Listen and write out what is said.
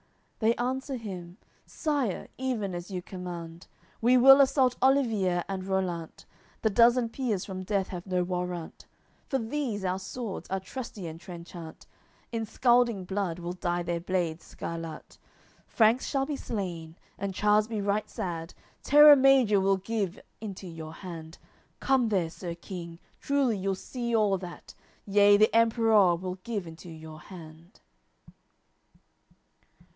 They answer him: "Sire, even as you command. We will assault Olivier and Rollant, The dozen peers from death have no warrant, For these our swords are trusty and trenchant, In scalding blood we'll dye their blades scarlat. Franks shall be slain, and Chares be right sad. Terra Major we'll give into your hand; Come there, Sir King, truly you'll see all that Yea, the Emperour we'll give into your hand."